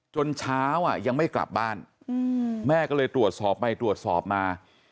จนเช้ายังไม่กลับบ้านแม่ก็เลยตรวจสอบไปตรวจสอบมา